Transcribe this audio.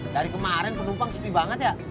dari kemarin penumpang sepi banget ya